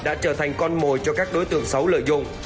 đã trở thành con mồi cho các đối tượng xấu lợi dụng